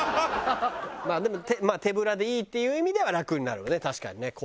まあでも手ぶらでいいっていう意味では楽になるよね